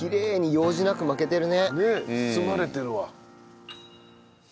ねえ包まれてるわ。